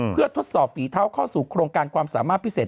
เพื่อทดสอบฝีเท้าเข้าสู่โครงการความสามารถพิเศษ